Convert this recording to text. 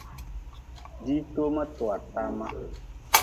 Ditoma toa tama.